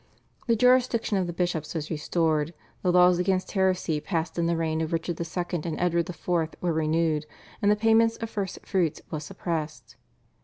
The jurisdiction of the bishops was restored, the laws against heresy passed in the reign of Richard II. and Henry IV. were renewed, and the payment of First Fruits was suppressed.